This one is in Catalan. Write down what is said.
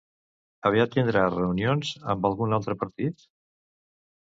Aviat tindrà reunions amb algun altre partit?